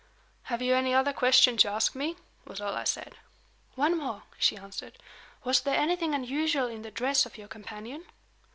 "Have you any other question to ask me?" was all I said. "One more," she answered. "Was there anything unusual in the dress of your companion?"